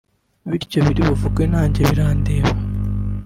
bityo ibiri buvugwe nanjye birandeba